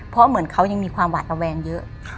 เพราะเหมือนเขายังมีความหวาดระแวงเยอะ